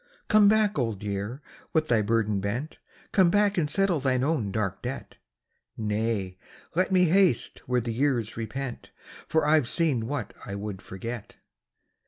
" Come back, Old Year, with thy burden bent. Come back and settle thine own dark debt." " Nay, let me haste where the years repent, For I ve seen what I would forget."